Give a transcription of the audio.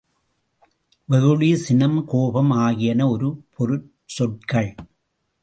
வெகுளி, சினம், கோபம் ஆகியன ஒரு பொருட்சொற்கள்.